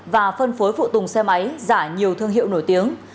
và phân phối phụ tùng xe máy giả nhiều thương hiệu nổi tiếng